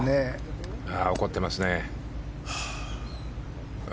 怒ってますね。